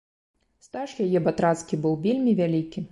Стаж яе батрацкі быў вельмі вялікі.